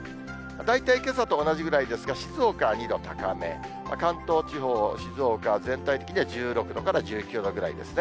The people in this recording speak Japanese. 大体けさと同じぐらいですが、静岡は２度高め、関東地方、静岡、全体的には１６度から１９度ぐらいですね。